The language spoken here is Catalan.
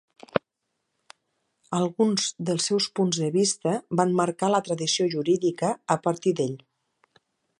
Alguns dels seus punts de vista van marcar la tradició jurídica a partir d'ell.